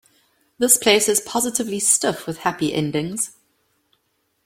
The place is positively stiff with happy endings.